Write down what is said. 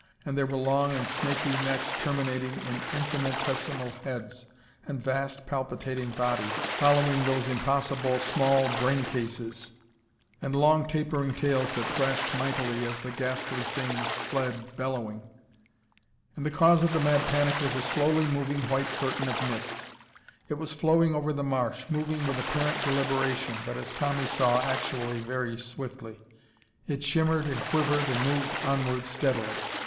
And there were long and snaky necks terminating in infinitesimal heads, and vast palpitating bodies following those impossible small brain cases, and long tapering tails that thrashed mightily as the ghastly things fled bellowing.... And the cause of the mad panic was a slowly moving white curtain of mist. It was flowing over the marsh, moving with apparent deliberation, but, as Tommy saw, actually very swiftly. It shimmered and quivered and moved onward steadily.